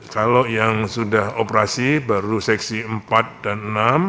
kalau yang sudah operasi baru seksi empat dan enam